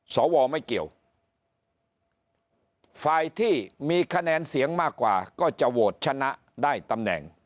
สวไม่เกี่ยวฝ่ายที่มีคะแนนเสียงมากกว่าก็จะโหวตชนะได้ตำแหน่ง